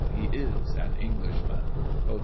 He is an Englishman! BOAT.